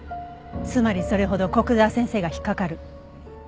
つまりそれほど古久沢先生が引っかかる。